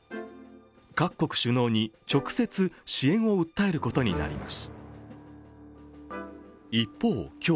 各国首脳に直接支援を訴えることになります。